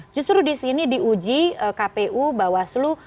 justru di sini diuji kpu bawaslu